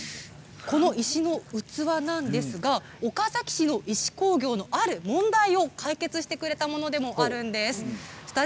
石の器なんですが、岡崎市の石工業のある問題を解決してくれたもののがあります。